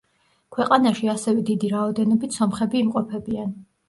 ქვეყანაში ასევე დიდი რაოდენობით სომხები იმყოფებიან.